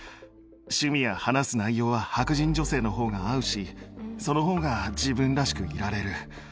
趣味や話す内容は白人女性のほうが合うし、そのほうが自分らしくいられる。